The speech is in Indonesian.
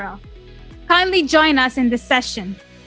silakan bergabung dalam sesi ini